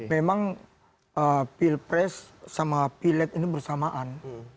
memang pilpres sama pilet ini bersamaan